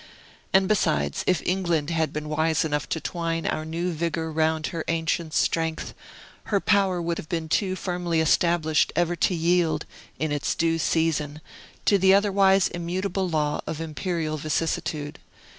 And, besides, if England had been wise enough to twine our new vigor round about her ancient strength, her power would have been too firmly established ever to yield, in its due season, to the otherwise immutable law of imperial vicissitude.